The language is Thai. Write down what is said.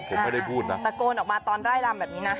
ผมไม่ได้พูดนะตะโกนออกมาตอนไล่รำแบบนี้นะ